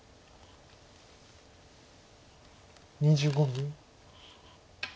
２５秒。